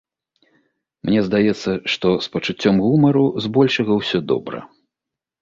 Мне здаецца, што з пачуццём гумару збольшага ўсё добра.